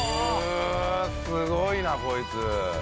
すごいなこいつ。